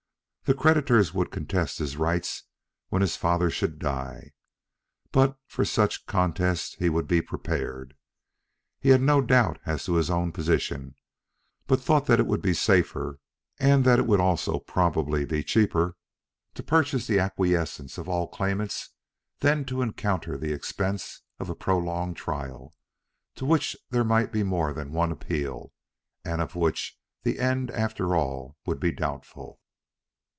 The creditors would contest his rights when his father should die; but for such contest he would be prepared. He had no doubt as to his own position, but thought that it would be safer, and that it would also probably be cheaper, to purchase the acquiescence of all claimants than to encounter the expense of a prolonged trial, to which there might be more than one appeal, and of which the end after all would be doubtful.